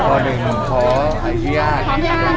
คนอื่นขออาญญาติ